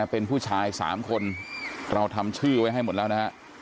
เป็นผู้ชาย๓คนเราทำชื่อไว้ให้หมดแล้วนะฮะ